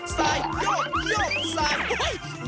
สายยกยกยกสายโอ้โฮ